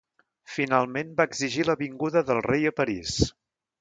Finalment va exigir la vinguda del rei a París.